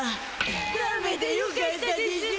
カメでよかったでしゅな！